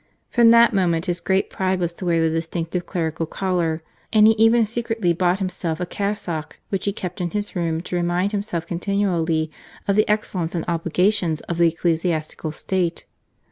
From that moment his great pride was to wear the distinctive clerical lo GARCIA MORENO. collar, and he even secretly bought himself a cassock, which he kept in his room to remind himself con tinually of the excellence and obligations of the ecclesiastical state.